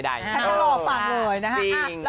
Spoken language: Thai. ฉันจะรอฟังเลยนะคะ